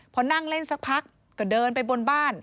พอนั่งเล่นสักพักก็เดินไปบนบ้าน